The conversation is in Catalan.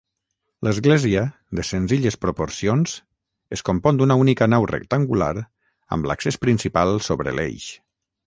L'església, de senzilles proporcions, es compon d'una única nau rectangular amb l'accés principal sobre l'eix.